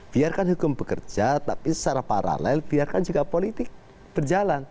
biarkan hukum bekerja tapi secara paralel biarkan juga politik berjalan